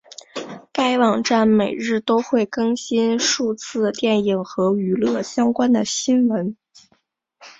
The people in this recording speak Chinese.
该网站每日都会更新数次电影和娱乐相关的新闻。